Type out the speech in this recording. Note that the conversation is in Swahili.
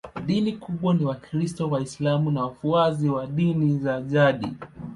Dini kubwa ni Wakristo, Waislamu na wafuasi wa dini za jadi.